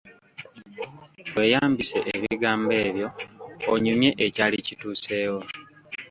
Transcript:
Weeyambise ebigambo ebyo onyumye ekyali kituuseewo.